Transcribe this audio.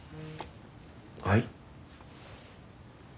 はい？